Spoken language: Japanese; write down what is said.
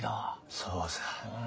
そうさ。